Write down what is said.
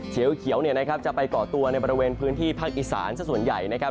เขียวเนี่ยนะครับจะไปก่อตัวในบริเวณพื้นที่ภาคอีสานสักส่วนใหญ่นะครับ